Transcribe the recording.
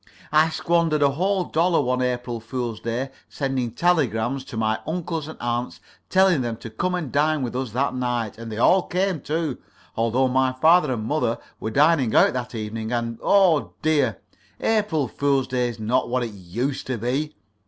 I squandered a whole dollar one April fool's day sending telegrams to my uncles and aunts, telling them to come and dine with us that night; and they all came, too, although my father and mother were dining out that evening, and oh dear, April fool's day is not what it used to be.